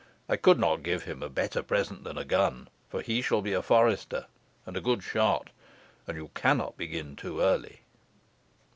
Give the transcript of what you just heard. I could not give him a better present than a gun, for he shall be a forester, and a good shot, and you cannot begin too early."